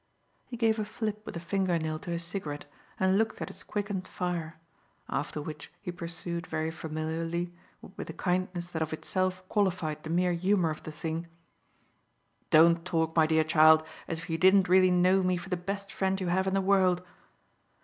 He gave a flip with a fingernail to his cigarette and looked at its quickened fire; after which he pursued very familiarly, but with a kindness that of itself qualified the mere humour of the thing: "Don't talk, my dear child, as if you didn't really know me for the best friend you have in the world."